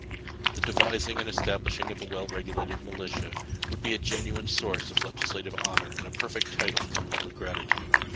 The devising and establishing of a well regulated militia would be a genuine source of legislative honor and a perfect title to public gratitude.